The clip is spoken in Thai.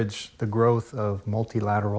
คุณสร้างบันทึกสุดท้ายท้าย